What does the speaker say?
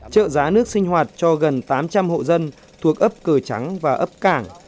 trợ giá nước sinh hoạt cho gần tám trăm linh hộ dân thuộc ấp cờ trắng và ấp cảng